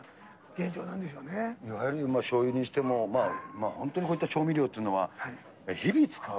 やはりしょうゆにしても、本当にこういった調味料っていうのは日々使う。